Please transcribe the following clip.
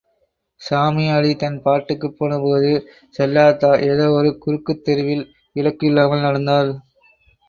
சாமியாடி, தன் பாட்டுக்குப்போன போது செல்லாத்தா ஏதோ ஒரு குறுக்குத் தெருவில் இலக்கு இல்லாமல் நடந்தாள்.